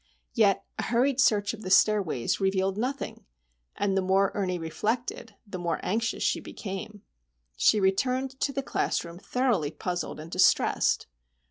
Yet a hurried search of the stairways revealed nothing; and the more Ernie reflected, the more anxious she became. She returned to the classroom thoroughly puzzled and distressed.